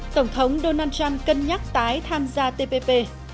tổng thống donald trump cân nhắc tái tham gia tpp